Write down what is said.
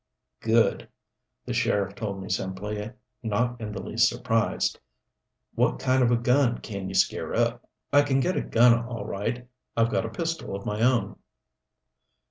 "Good," the sheriff told me simply, not in the least surprised. "What kind of a gun can you scare up?" "I can get a gun, all right. I've got a pistol of my own."